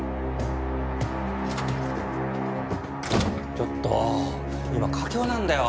ちょっと今佳境なんだよ。